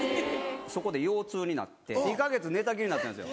そこで腰痛になって２か月寝たきりになったんです。